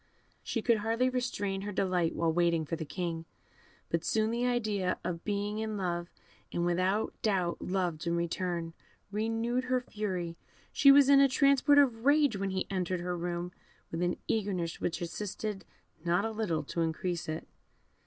She could hardly restrain her delight while waiting for the King; but soon the idea of his being in love, and without doubt loved in return, renewed her fury; she was in a transport of rage when he entered her room with an eagerness which assisted not a little to increase it.